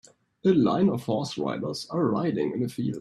A line of horse riders are riding in a field.